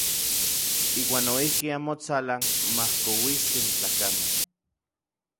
Iuan noijki anmotsalan majkokuiskej tlakamej.